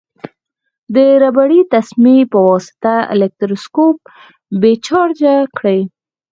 د ربړي تسمې په واسطه الکتروسکوپ بې چارجه کړئ.